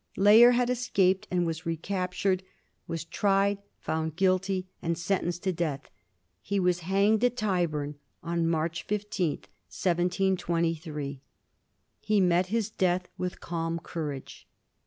Layer had escaped and was recaptured, was tried, found guilty, and sentenced to death. He was hanged at Tyburn on March 15, 1723 ; he met his death with calm courage.